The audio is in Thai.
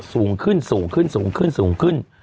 สูงขึ้น